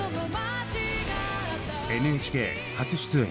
ＮＨＫ初出演。